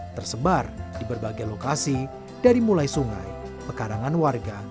tersebar di berbagai lokasi dari mulai sungai pekarangan warga